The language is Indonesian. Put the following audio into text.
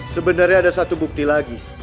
sebenarnya ada satu bukti lagi